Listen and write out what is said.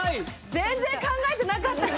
全然考えてなかったし！